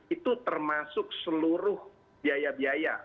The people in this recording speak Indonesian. itu termasuk seluruh biaya biaya